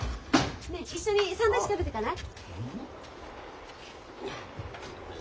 ねえ一緒にサンドイッチ食べてかない？